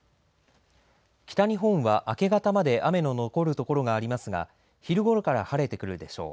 北日本は明け方まで雨の残る所がありますが昼ごろから晴れてくるでしょう。